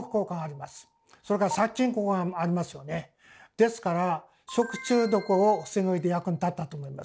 ですから食中毒を防ぐうえで役に立ったと思います。